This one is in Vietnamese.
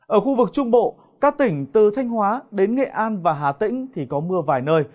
ở khu vực trung bộ các tỉnh từ thanh hóa đến nghệ an và hà tĩnh thì có mưa vài nơi